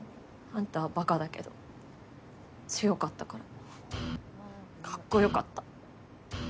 あんたはバカだけど強かったからかっこよかった